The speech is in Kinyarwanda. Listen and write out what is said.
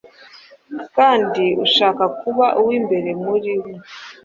kandi ushaka kuba uw’imbere muri mwe,